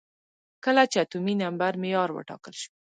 کله چې اتومي نمبر معیار وټاکل شو.